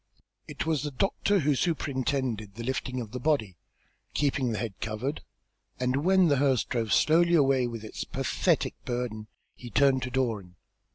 It was the doctor who superintended the lifting of the body, keeping the head covered, and when the hearse drove slowly away with its pathetic burden, he turned to Doran.